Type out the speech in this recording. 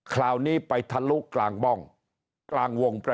คราวนี้ไปทะลุกลางบ้องกลางวง